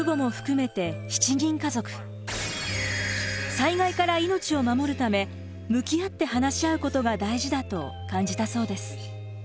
災害から命をまもるため向き合って話し合うことが大事だと感じたそうです。